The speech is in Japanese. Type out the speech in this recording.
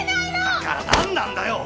だから何なんだよ！